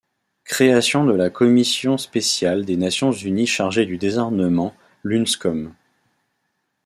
Création de la Commission spéciale des Nations unies chargée du désarmement, l'Unscom.